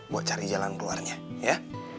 buat cari jalan keluarnya ya